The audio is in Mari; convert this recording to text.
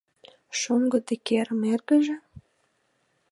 — Шоҥго Деккерын эргыже?